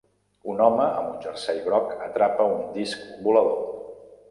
Un home amb un jersei groc atrapa un disc volador.